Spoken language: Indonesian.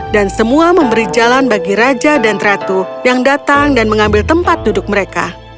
dan semua memberi jalan bagi raja dan ratu yang datang dan mengambil tempat duduk mereka